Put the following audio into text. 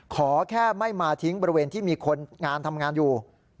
ขอแค่ไม่มาทิ้งบริเวณที่มีคนงานทำงานอยู่